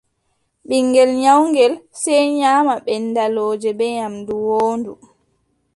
Ɓiŋngel nyawngel , sey nyaama ɓenndalooje bee nyaamdu woondu.